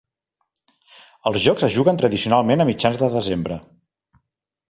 Els jocs es juguen tradicionalment a mitjans de desembre.